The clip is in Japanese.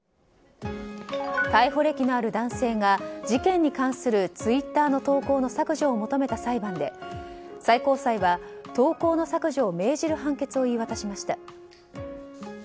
逮捕歴のある男性が事件に関するツイッターの投稿の削除を求めた裁判で、最高裁は投稿の削除を命じる判決を言い渡しました。